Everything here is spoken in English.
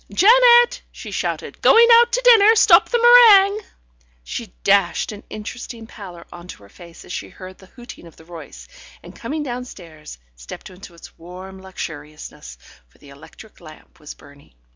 "Janet!" she shouted. "Going out to dinner! Stop the meringue." She dashed an interesting pallor on to her face as she heard the hooting of the Royce, and coming downstairs, stepped into its warm luxuriousness, for the electric lamp was burning.